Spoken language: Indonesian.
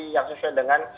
yang sesuai dengan